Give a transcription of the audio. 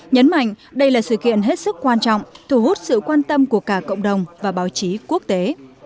nhấn mạnh đây là sự kiện hết sức quan trọng thu hút sự quan tâm của cả cộng đồng và báo chí quốc tế